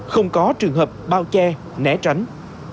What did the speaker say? không có trường hợp bao che né tránh